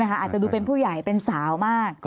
อาจจะดูเป็นผู้ใหญ่เป็นสาวมาก